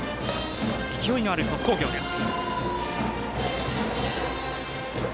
勢いのある鳥栖工業です。